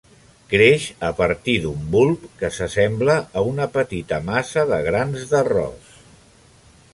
Creix a partir d'un bulb, que s'assembla a una petita massa de grans d'arròs.